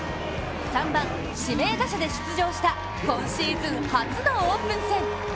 ３番・指名打者で出場した今シーズン初のオープン戦。